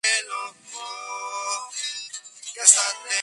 El clima es subtropical monzónico.